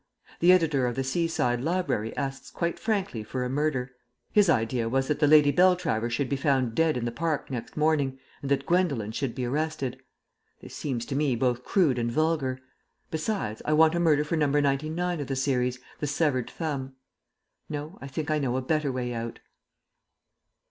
The editor of The Seaside Library asks quite frankly for a murder. His idea was that the Lady Beltravers should be found dead in the park next morning and that Gwendolen should be arrested. This seems to me both crude and vulgar. Besides, I want a murder for No. XCIX. of the series The Severed Thumb. No, I think I know a better way out.